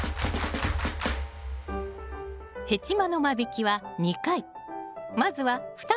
ヘチマの間引きは２回。